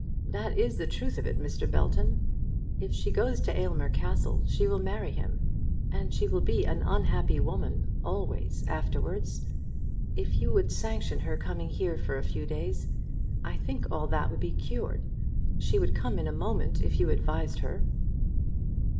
That is the truth of it, Mr. Belton. If she goes to Aylmer Castle she will marry him, and she will be an unhappy woman always afterwards. If you would sanction her coming here for a few days, I think all that would be cured. She would come in a moment, if you advised her."